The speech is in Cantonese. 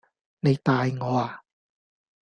你大我呀